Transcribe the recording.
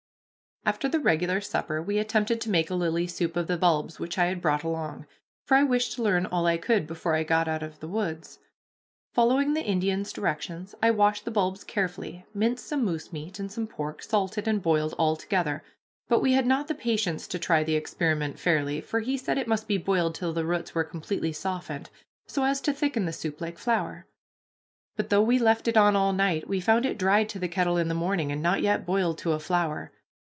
After the regular supper we attempted to make a lily soup of the bulbs which I had brought along, for I wished to learn all I could before I got out of the woods. Following the Indian's directions, I washed the bulbs carefully, minced some moose meat and some pork, salted and boiled all together, but we had not the patience to try the experiment fairly, for he said it must be boiled till the roots were completely softened so as to thicken the soup like flour; but though we left it on all night, we found it dried to the kettle in the morning and not yet boiled to a flour.